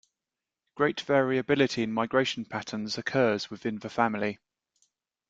Great variability in migration patterns occurs within the family.